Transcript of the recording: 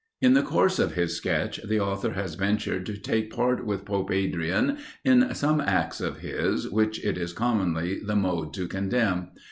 In the course of his sketch, the author has ventured to take part with Pope Adrian in some acts of his, which it is commonly the mode to condemn.